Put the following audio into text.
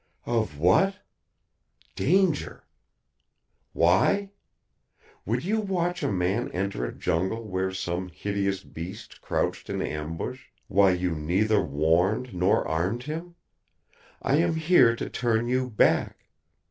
"Of what? Danger! Why? Would you watch a man enter a jungle where some hideous beast crouched in ambush, while you neither warned nor armed him? I am here to turn you back.